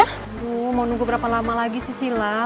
aduh mau nunggu berapa lama lagi sih silam